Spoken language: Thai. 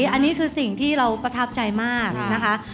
อันนี้คือสิ่งที่เราประทับใจมากนะคะ